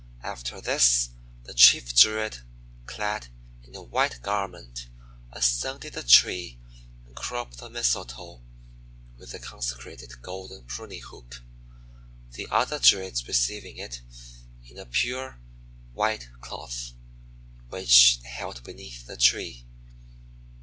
After this the chief Druid, clad in a white garment, ascended the tree and cropped the Mistletoe with a consecrated golden pruning hook, the other Druids receiving it in a pure, white cloth, which they held beneath the tree.